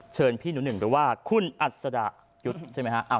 เชิญพี่หนูหนึ่งหรือว่าคุณอัศดายุทธ์ใช่ไหมฮะ